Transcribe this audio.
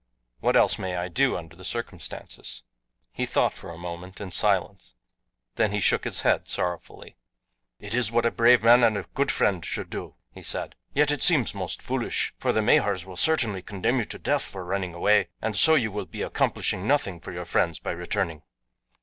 What else may I do under the circumstances?" He thought for a moment in silence. Then he shook his head sorrowfully. "It is what a brave man and a good friend should do," he said; "yet it seems most foolish, for the Mahars will most certainly condemn you to death for running away, and so you will be accomplishing nothing for your friends by returning.